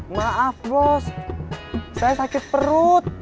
maaf bos saya sakit perut